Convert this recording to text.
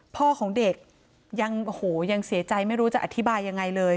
พ่อของเด็กยังโอ้โหยังเสียใจไม่รู้จะอธิบายยังไงเลย